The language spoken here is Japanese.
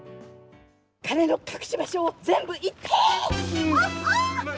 金の隠し場所を全部言って！